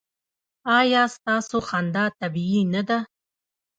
ایا ستاسو خندا طبیعي نه ده؟